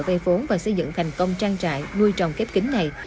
về phố và xây dựng thành công trang trại nuôi trồng kép kính này